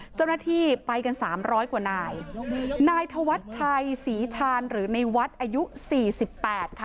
เจ้าหน้าที่ไปกันสามร้อยกว่านายนายธวัชชัยศรีชาญหรือในวัดอายุสี่สิบแปดค่ะ